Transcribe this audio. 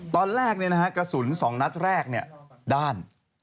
ตอนแรกกระสุน๒นัดแรกด้าน